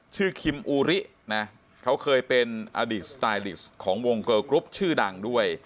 คิมอูรินะเขาเคยเป็นอดีตสไตลิสต์ของวงเกอร์กรุ๊ปชื่อดังด้วย